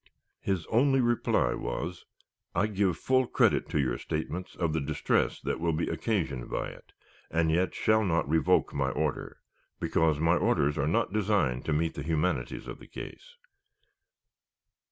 His only reply was: "I give full credit to your statements of the distress that will be occasioned by it, and yet shall not revoke my order, because my orders are not designed to meet the humanities of the case."